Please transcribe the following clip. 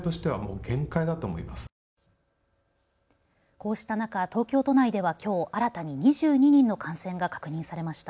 こうした中、東京都内ではきょう新たに２２人の感染が確認されました。